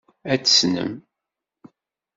Ad t-tessnem.